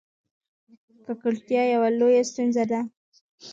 ککړتیا یوه لویه ستونزه ده.